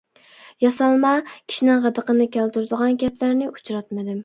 ياسالما، كىشىنىڭ غىدىقىنى كەلتۈرىدىغان گەپلەرنى ئۇچراتمىدىم.